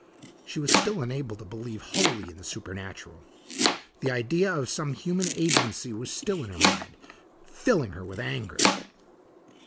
She was still unable to believe wholly in the supernatural. The idea of some human agency was still in her mind, filling her with anger.